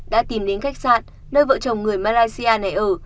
đã tìm đến khách sạn nơi vợ chồng người malaysia này ở